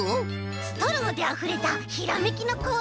ストローであふれたひらめきのこうえんだよ！